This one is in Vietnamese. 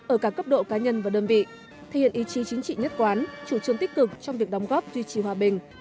ở cả cấp độ cá nhân và đơn vị thể hiện ý chí chính trị nhất quán chủ trương tích cực trong việc đóng góp duy trì hòa bình